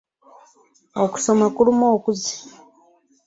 Okusoma kuluma okuze.